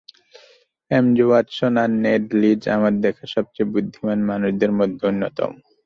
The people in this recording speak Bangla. এমজে ওয়াটসন আর নেড লিডস আমার দেখা সবচেয়ে বুদ্ধিমান মানুষদের মধ্যে অন্যতম।